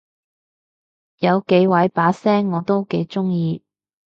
有幾位把聲我都幾中意